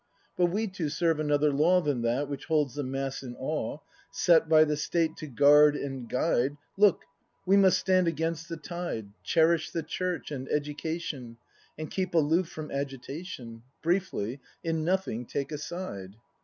But we two serve another law Than that which holds the mass in awe; Set by the State to guard and guide, — Look, w e must stand against the tide, Cherish the Church and Education, And keep aloof from agitation. Briefly, in nothing take a side.